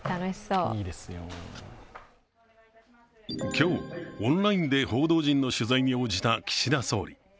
今日、オンラインで報道陣の取材に応じた岸田総理。